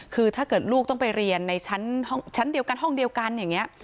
คือถ้าเกิดลูกต้องไปเรียนในชั้นเดียวกันห้องเดียวกันอย่างนี้